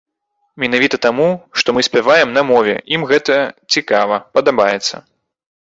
Менавіта таму, што мы спяваем на мове, ім гэта цікава, падабаецца.